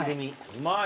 うまい。